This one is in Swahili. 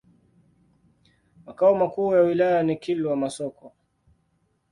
Makao makuu ya wilaya ni Kilwa Masoko.